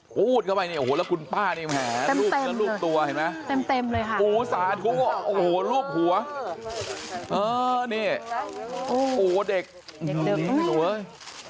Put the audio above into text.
โอ้โหอุดเข้าไปเนี้ยโอ้โหแล้วคุณป้านี่แหม่แป้มเต็มเลยลูกตัวเห็นไหมแป้มเต็มเลยค่ะโอ้โหสาธุโอ้โหลูกหัวเออนี่โอ้โหเด็กเด็กเด็ก